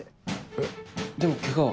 えっでもケガは？